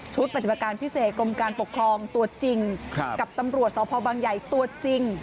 ปฏิบัติการพิเศษกรมการปกครองตัวจริงกับตำรวจสพบังใหญ่ตัวจริง